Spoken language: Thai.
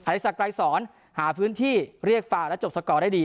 อธิษฐกรายสอนหาพื้นที่เรียกฝ่าและจบสก่อได้ดี